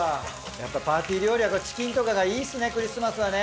やっぱパーティー料理はチキンとかがいいですねクリスマスはね。